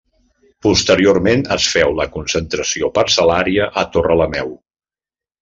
Posteriorment es féu la concentració parcel·lària a Torrelameu.